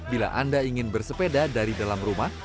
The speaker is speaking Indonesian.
bila anda ingin bersepeda dari dalam rumah